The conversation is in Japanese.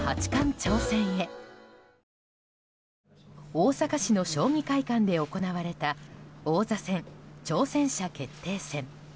大阪市の将棋会館で行われた王座戦挑戦者決定戦。